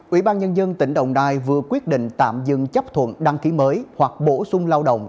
ủy ban nhân dân tỉnh đồng nai vừa quyết định tạm dừng chấp thuận đăng ký mới hoặc bổ sung lao động